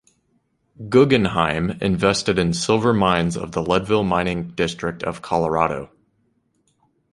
Guggenheim invested in silver mines of the Leadville mining district of Colorado.